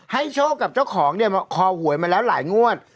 โชคกับเจ้าของเนี่ยคอหวยมาแล้วหลายงวด